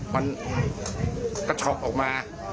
มันกระช็อกออกมา